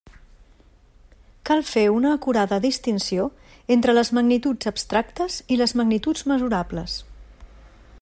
Cal fer una acurada distinció entre les magnituds abstractes i les magnituds mesurables.